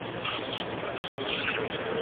د جګړې مور به سي بوره، زوی د سولي به پیدا سي